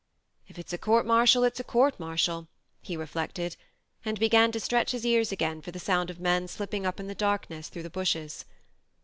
" If it's a court martial it's a court martial," he reflected ; and began to stretch his ears again for the sound of men slipping up in the darkness through the bushes.